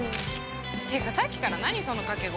てかさっきから何そのかけ声？